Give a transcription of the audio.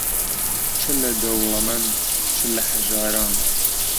چ لە دەوڵەمەن، چ لە هەژاران